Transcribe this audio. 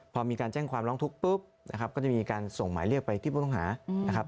พอมีการแจ้งความร้องทุกข์ปุ๊บนะครับก็จะมีการส่งหมายเรียกไปที่ผู้ต้องหานะครับ